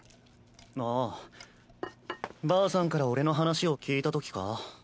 ああばあさんから俺の話を聞いたときか？